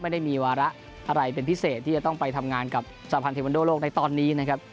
ไม่ได้มีวาระอะไรเป็นพิเศษที่จะต้องไปทำงานกับสหพันธ์เทวันโดโลกในตอนนี้นะครับ